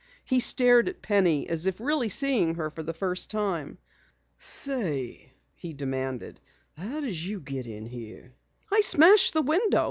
He stared at Penny as if really seeing her for the first time. "Say," he demanded, "how did you get in here?" "Smashed the window.